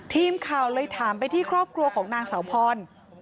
ทีมข่าวเลยถามไปที่ครอบครัวของนางสาวพร